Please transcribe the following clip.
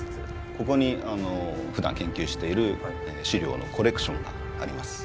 ここにふだん研究している試料のコレクションがあります。